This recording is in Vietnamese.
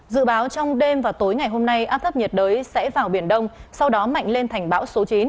dự báo trong đêm và tối ngày hôm nay áp thấp nhiệt đới sẽ vào biển đông sau đó mạnh lên thành bão số chín